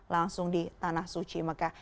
langsung di tanah suci mekah